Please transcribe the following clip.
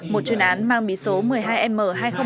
một chuyên án mang bí số một mươi hai m hai nghìn một mươi bảy